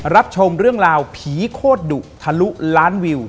รับชมเรื่องราวผีโคตรดุทะลุล้านวิว